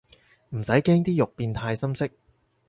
唔使驚啲肉變太深色